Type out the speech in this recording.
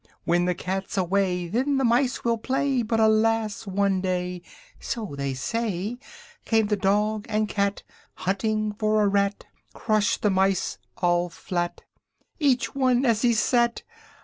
When the cat's away, Then the mice will play, But, alas! one day, (So they say) Came the dog and cat, Hunting for a rat, Crushed the mice all flat; Each one as he sat.